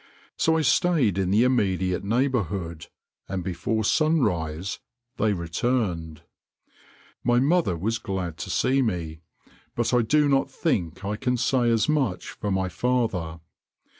So I stayed in the immediate neighbourhood, and before sunrise they returned. My mother was glad to see me, but I do not think I can say as much for my father.